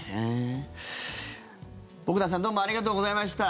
ボグダンさんどうもありがとうございました。